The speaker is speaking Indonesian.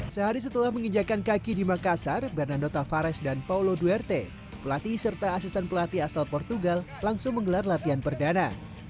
sehari setelah menginjakan kaki di makassar bernando tavares dan paulo duerte pelatih serta asisten pelatih asal portugal langsung menggelar latihan perdana